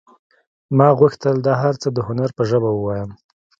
ما غوښتل دا هر څه د هنر په ژبه ووایم